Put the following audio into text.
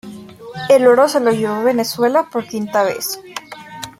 El oro se lo llevó Venezuela por quinta vez.